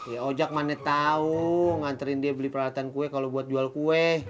ya ojak mane tau nganterin dia beli peralatan kue kalau buat jual kue